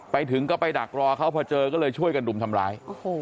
ไปถึงก็ไปดักรอเขาพอเจอก็เลยช่วยกันรุมทำร้าย